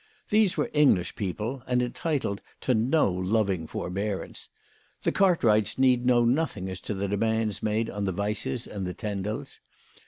These were English people, and entitled to no loving forbearance. The Cartwrights need know nothing as to the demands made on the Weisses and Tendels.